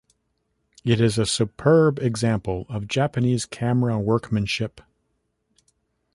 It is a superb example of Japanese camera workmanship.